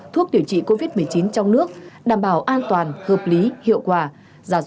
thuốc điều trị covid một mươi chín trong nước đảm bảo an toàn hợp lý hiệu quả